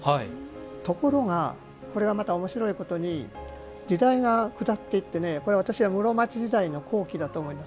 ところがこれがまたおもしろいことに時代が下っていって私は室町時代の後期だと思います。